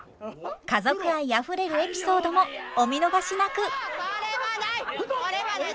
家族愛あふれるエピソードもお見逃しなく！